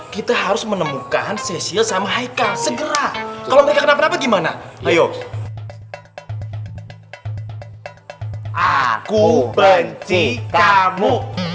kita harus menemukan sesea sama heika segera kalau mereka kenapa kenapa gimana ayo aku benci kamu